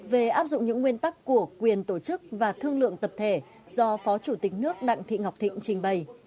về áp dụng những nguyên tắc của quyền tổ chức và thương lượng tập thể do phó chủ tịch nước đặng thị ngọc thịnh trình bày